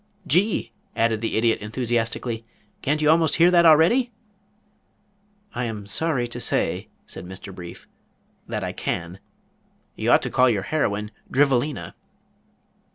"Gee!" added the Idiot enthusiastically. "Can't you almost hear that already?" "I am sorry to say," said Mr. Brief, "that I can. You ought to call your heroine Drivelina."